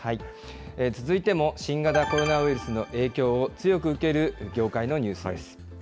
続いても新型コロナウイルスの影響を強く受ける業界のニュースです。